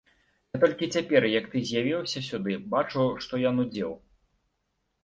Я толькі цяпер, як ты з'явіўся сюды, бачу, што я нудзеў.